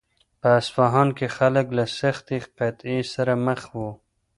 په اصفهان کې خلک له سختې قحطۍ سره مخ وو.